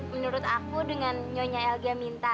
menurut aku dengan nyonya elga minta